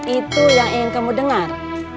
itu yang ingin kamu dengar